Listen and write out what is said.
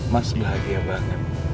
mas bahagia banget